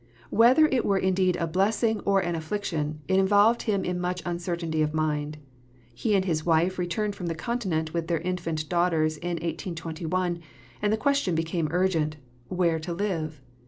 Whether it were indeed a blessing or an affliction, it involved him in much uncertainty of mind. He and his wife returned from the Continent with their infant daughters in 1821, and the question became urgent, Where to live?